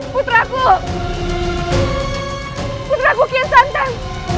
putra aku putra aku kian santan